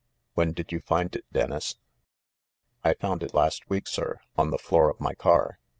"When did you find it, Dennis?" "I found it last week, sir, on the floor of my car."